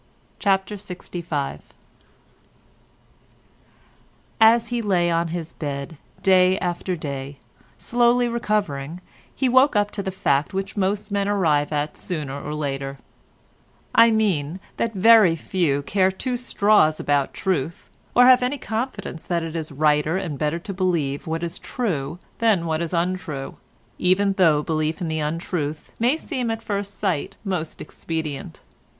CHAPTER LXV As he lay on his bed day after day slowly recovering he woke up to the fact which most men arrive at sooner or later, I mean that very few care two straws about truth, or have any confidence that it is righter and better to believe what is true than what is untrue, even though belief in the untruth may seem at first sight most expedient.